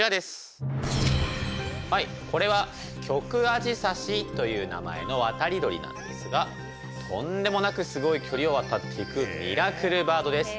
これはキョクアジサシという名前の渡り鳥なんですがとんでもなくすごい距離を渡っていくミラクルバードです。